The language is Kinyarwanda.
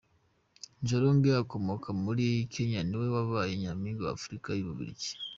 Njoronge ukomoka muri Kenya niwe wabaye Nyaminga w’Africa mu Bubiligi